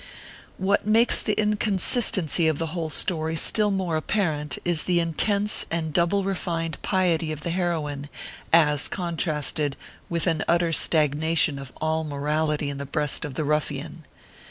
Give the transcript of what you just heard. What makes the inconsistency of the whole story still more apparent, is the intense and double refined piety of the heroine, as contrasted with an utter stag nation of all morality in the breast of the ruffian.